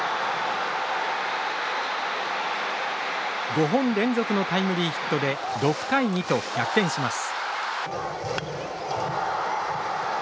５本連続のタイムリーヒットで６対２と逆転します。